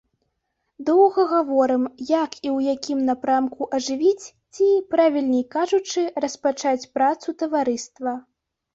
Доўга гаворым, як і ў якім напрамку ажывіць ці, правільней кажучы, распачаць працу таварыства.